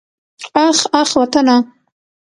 اخ اخ وطنه.